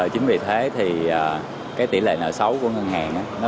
chính vì thế thì cái tỷ lệ nợ xấu của ngân hàng